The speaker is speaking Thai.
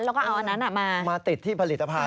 แล้วก็เอาอันนั้นมาติดที่ผลิตภัณฑ